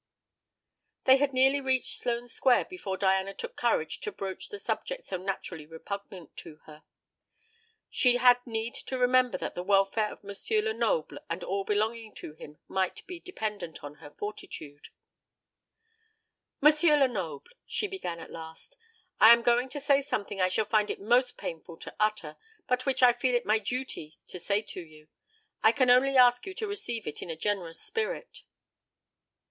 They had nearly reached Sloane Square before Diana took courage to broach the subject so naturally repugnant to her. She had need to remember that the welfare of M. Lenoble and all belonging to him might be dependent on her fortitude. "M. Lenoble," she began at last, "I am going to say something I shall find it most painful to utter, but which I feel it my duty to say to you. I can only ask you to receive it in a generous spirit."